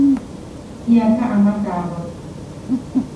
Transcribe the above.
Tiaka ama tawaak.